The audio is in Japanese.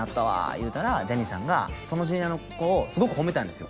言うたらジャニーさんがそのジュニアの子をすごく褒めたんですよ